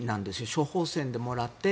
処方せんでもらって。